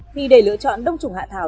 thì để lựa chọn đông trùng hạ thảo